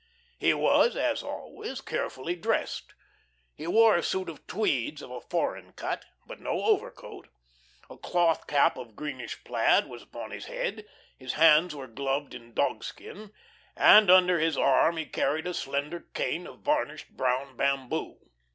He was, as always, carefully dressed. He wore a suit of tweeds of a foreign cut, but no overcoat, a cloth cap of greenish plaid was upon his head, his hands were gloved in dogskin, and under his arm he carried a slender cane of varnished brown bamboo.